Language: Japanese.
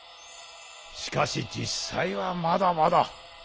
しかし実際はまだまだ。